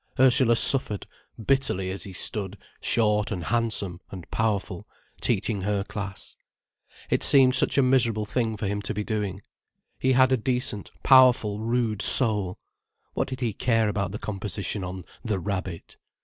Ursula suffered, bitterly as he stood, short and handsome and powerful, teaching her class. It seemed such a miserable thing for him to be doing. He had a decent, powerful, rude soul. What did he care about the composition on "The Rabbit"?